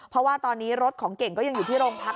เพราะว่าตอนนี้รถของเก่งก็ยังอยู่ที่โรงพัก